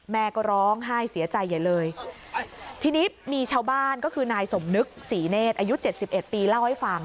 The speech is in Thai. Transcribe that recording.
แม่ก็ร้องไห้เสียใจใหญ่เลยทีนี้มีชาวบ้านก็คือนายสมนึกศรีเนธอายุเจ็ดสิบเอ็ดปีเล่าให้ฟัง